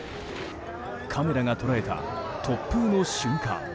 カメラが捉えた突風の瞬間。